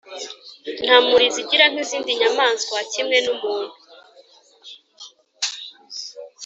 nta murizo igira nk’izindi nyamaswa. Kimwe n’umuntu, i